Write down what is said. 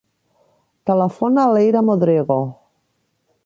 Telefona a l'Eira Modrego.